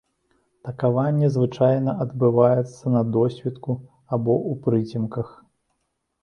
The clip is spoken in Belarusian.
Такаванне звычайна адбываецца на досвітку або ў прыцемках.